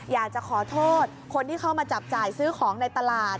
อยากจะขอโทษคนที่เข้ามาจับจ่ายซื้อของในตลาด